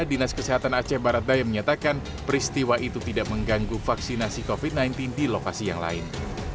dinas kesehatan aceh barat daya menyatakan peristiwa itu tidak mengganggu vaksinasi covid sembilan belas di lokasi yang lain